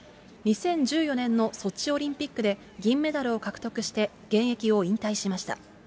２０１４年のソチオリンピックで、銀メダルを獲得して現役を引退しました。